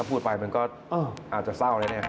ถ้าพูดไปมันก็อาจจะเศร้าเลยนะครับ